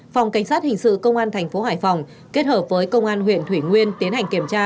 phòng cảnh sát hình sự công an thành phố hải phòng kết hợp với công an huyện thủy nguyên tiến hành kiểm tra